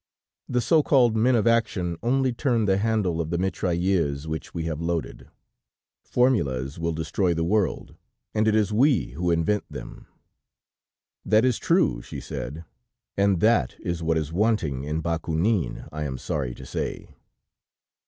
The so called men of action, only turn the handle of the mitrailleuse which we have loaded. Formulas will destroy the world, and it is we who invent them.' "'That is true,' she said, 'and that is what is wanting in Bakounine, I am sorry to say.'